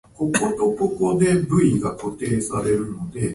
プログラミング言語を勉強する。